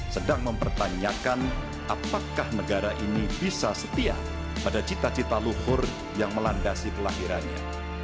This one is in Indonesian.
sedang mempertanyakan apakah negara ini bisa setia pada cita cita luhur yang melandasi kelahirannya